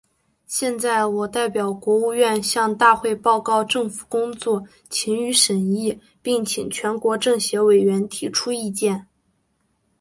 现在，我代表国务院，向大会报告政府工作，请予审议，并请全国政协委员提出意见。